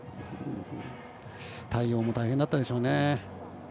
対応も大変だったでしょうね。